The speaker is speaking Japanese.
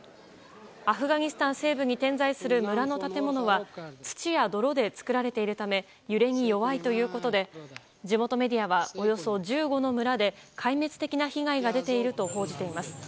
アフガニスタン西部に点在する村の建物は土や泥で作られているため揺れに弱いということで地元メディアはおよそ１５の村で壊滅的な被害が出ていると報じています。